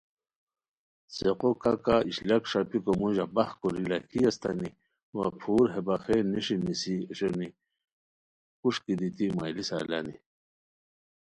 څیقو کھاکہ اشلاک ݰاپیکو موژہ بخ کوری لاکھی استانی وا پھور ہے باخین نیݰی نیسی اوشونی کوݰکی دیتی میلسہ الانی